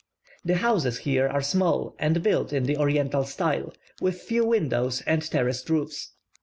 The houses here are small, and built in the Oriental style, with few windows, and terraced roofs.